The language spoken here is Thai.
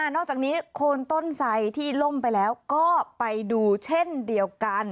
นอกจากนี้โคนต้นไสที่ล่มไปแล้วก็ไปดูเช่นเดียวกัน